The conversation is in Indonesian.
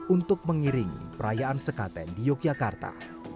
untuk mengiringi perayaan sekaten di yogyakarta